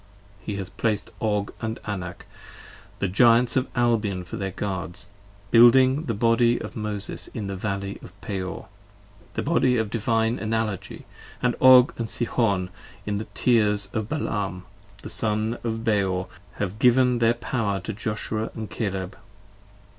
He hath placed Og & Anak, the Giants of Albion, for their Guards: Building the Body of Moses in the Valley of Peor: the Body Of Divine Analogy : and Og & Sihon in the tears of Balaam, The Son of Beor, have given their power to Joshua & Caleb.